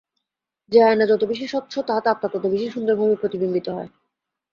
যে আয়না যত বেশী স্বচ্ছ, তাহাতে আত্মা তত বেশী সুন্দরভাবে প্রতিবিম্বিত হয়।